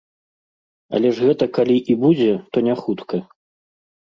Але ж гэта калі і будзе, то не хутка.